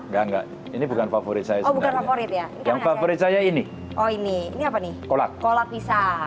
enggak enggak ini bukan favorit saya sebenarnya favorit saya ini ini apa nih kolak kolak pisang